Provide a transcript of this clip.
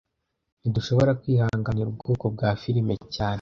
Ntidushobora kwihanganira ubwoko bwa firime cyane